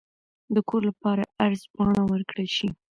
د کور لپاره عرض پاڼه ورکړل شي.